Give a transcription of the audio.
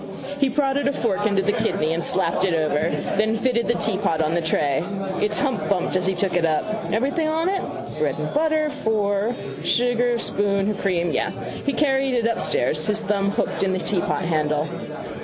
He prodded a fork into the kidney and slapped it over: then fitted the teapot on the tray. Its hump bumped as he took it up. Everything on it? Bread and butter, four, sugar, spoon, her cream. Yes. He carried it upstairs, his thumb hooked in the teapot handle.